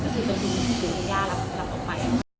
ก็คือจนทุกอย่างย่ารับออกไป